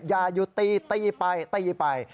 อย่าหยุดตีตีไปตีไป